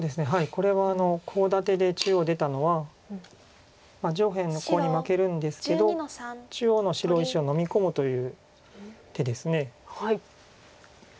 これはコウ立てで中央出たのは上辺のコウに負けるんですけど中央の白石はのみ込むという手です。